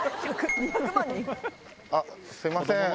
あっすいません